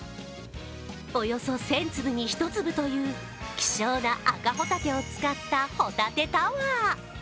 およそ１０００粒に１粒という希少な赤ホタテを使ったホタテタワー。